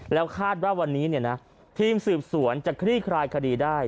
แล้วคาดว่าวันนี้ทีมสืบสวนจะคลี่คลายคดีได้